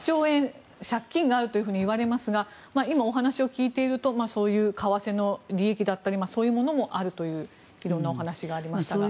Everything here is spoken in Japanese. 借金があるといわれますが今、お話を聞いているとそういう為替の利益だったりそういうものもあるという色んなお話がありましたが。